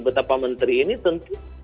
betapa menteri ini tentu